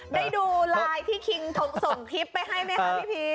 ได้ดูไลน์ที่คิงส่งคลิปไปให้ไหมคะพี่พี